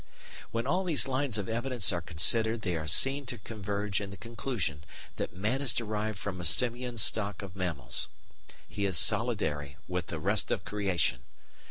When all these lines of evidence are considered, they are seen to converge in the conclusion that man is derived from a simian stock of mammals. He is solidary with the rest of creation.